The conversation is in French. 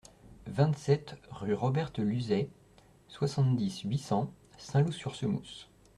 vingt-sept rue Roberte Luzet, soixante-dix, huit cents, Saint-Loup-sur-Semouse